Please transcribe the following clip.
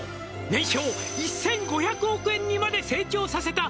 「年商１５００億円にまで成長させた」